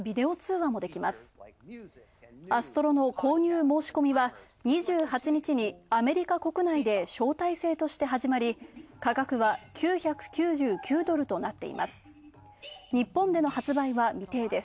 アストロの購入申し込みは２８日にアメリカ国内で招待制として始まり、価格は９９９ドルとなっています。